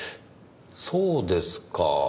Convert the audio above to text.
そうですか。